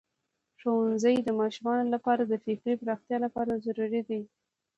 ښوونځی د ماشومانو لپاره د فکري پراختیا لپاره ضروری دی.